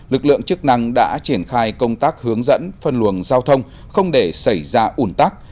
lực lượng chức năng đã triển khai công tác hướng dẫn phân luồng giao thông không để xảy ra ủn tắc